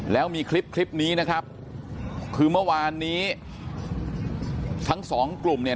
แล้วมีคลิปคลิปนี้นะครับคือเมื่อวานนี้ทั้งสองกลุ่มเนี่ย